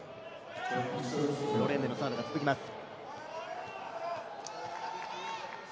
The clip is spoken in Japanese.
ロレンネのサーブが続きます。